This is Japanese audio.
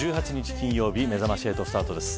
金曜日めざまし８スタートです。